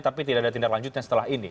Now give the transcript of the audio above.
tapi tidak ada tindak lanjutnya setelah ini